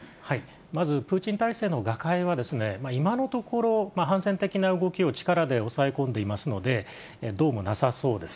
まず、プーチン体制の瓦解は、今のところ反戦的な動きを力で抑え込んでいますので、どうもなさそうです。